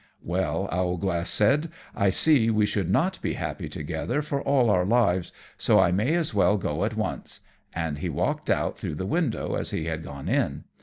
"Well," Owlglass said, "I see we should not be happy together for all our lives, so I may as well go at once;" and he walked out through the window as he had gone in.